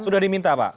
sudah diminta pak